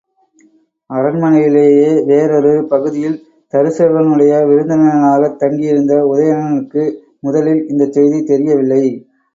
அரண்மனையிலேயே வேறொரு பகுதியில் தருசகனுடைய விருந்தினனாகத் தங்கியிருந்த உதயணனுக்கு முதலில் இந்தச் செய்தி தெரியவில்லை.